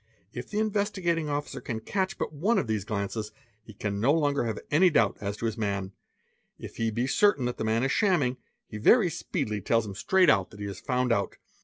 If the In stigating Officer can catch but one of these glances, he can no longer ve any doubt as to his man; if he be certain the man is shamming, he y speedily tells him straight that he is found out.